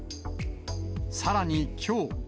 さらにきょう。